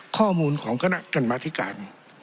ข้อมูลของคณะกรรมธิการ